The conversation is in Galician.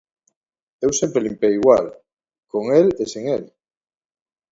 Eu sempre limpei igual, con el e sen el.